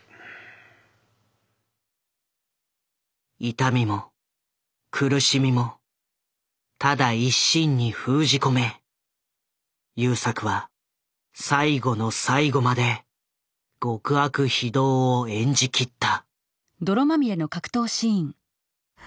痛みも苦しみもただ一身に封じ込め優作は最後の最後まで極悪非道を演じ切った。